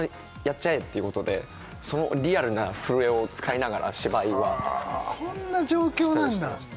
ちゃえっていうことでそのリアルな震えを使いながら芝居はしたりしてました